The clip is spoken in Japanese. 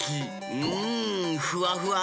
うんふわふわ！